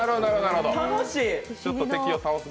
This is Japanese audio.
楽しい。